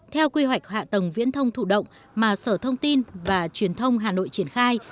theo quy hoạch hạ tầng viễn thông thụ động mà sở thông tin và truyền thông hà nội triển khai